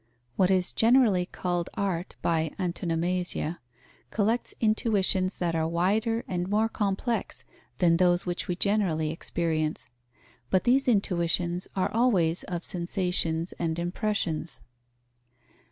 What is generally called art, by antonomasia, collects intuitions that are wider and more complex than those which we generally experience, but these intuitions are always of sensations and impressions.